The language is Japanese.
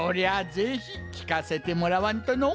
ぜひきかせてもらわんとのう。